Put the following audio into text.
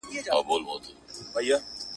سودا بې چنې نه کېږي.